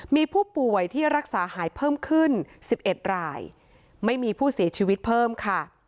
มีผู้ป่วยที่รักษาหายเพิ่มขึ้น๑๑รายไม่มีผู้เสียชีวิตเพิ่มค่ะ